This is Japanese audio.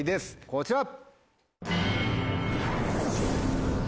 こちら。